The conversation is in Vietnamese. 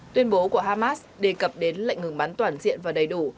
tuyên bố của hamas đề cập đến lệnh ngừng bắn toàn diện và đầy đủ